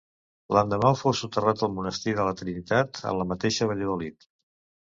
L'endemà fou soterrat al monestir de la Trinitat, en la mateixa Valladolid.